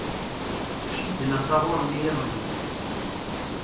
Cidden asaɣuṛ-nni iḍelli.